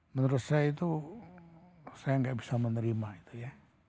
menurut saya itu saya nggak bisa menerima itu ya